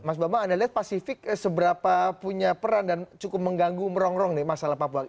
mas bambang anda lihat pasifik seberapa punya peran dan cukup mengganggu merongrong nih masalah papua